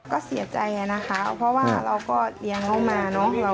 ก็เสียใจนะคะเพราะว่าเราก็เรียงเข้ามา